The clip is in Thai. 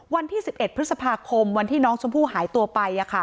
วันที่๑๑พฤษภาคมวันที่น้องชมพู่หายตัวไป